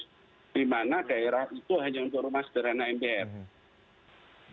di mana daerah itu hanya untuk rumah sederhana mpr